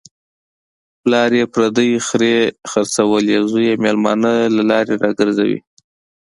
پلار یې پردۍ خرې خرڅولې، زوی یې مېلمانه له لارې را گرځوي.